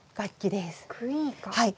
はい。